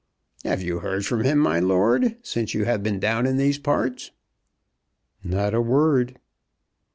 "Have you heard from him, my lord, since you have been down in these parts?" "Not a word."